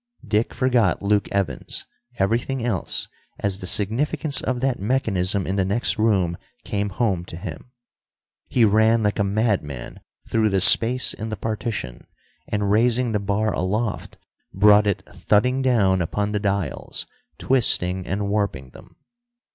Dick forgot Luke Evans, everything else, as the significance of that mechanism in the next room came home to him. He ran like a madman through the space in the partition, and, raising the bar aloft, brought it thudding down upon the dials, twisting and warping them.